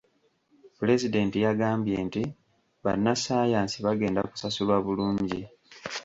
Pulezidenti yagambye nti bannassaayansi bagenda kusasulwa bulungi.